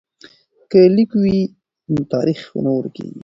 که لیک وي نو تاریخ نه ورکیږي.